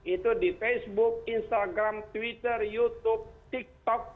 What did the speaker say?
itu di facebook instagram twitter youtube tiktok